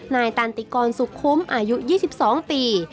นายตันติกรสุขุมอายุ๒๒ปี